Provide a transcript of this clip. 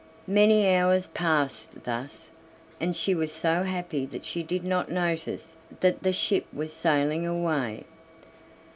Many hours passed thus, and she was so happy that she did not notice that the ship was sailing away.